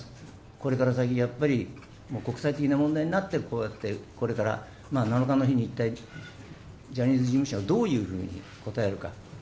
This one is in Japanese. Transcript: これから先、やっぱり国際的な問題になって、こうやってこれから７日の日に一体、ジャニーズ事務所はどういうふうに答えるか。